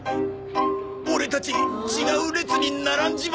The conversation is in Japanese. オレたち違う列に並んじまったのか！？